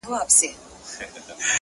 سترګي دي ډکي توپنچې دي.!